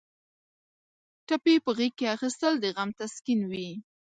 ټپي په غېږ کې اخیستل د غم تسکین وي.